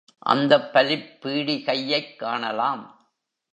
அந்தப் பலிப் பீடிகையைக் காணலாம்.